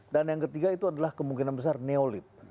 dan yang ketiga itu adalah kemungkinan besar neolib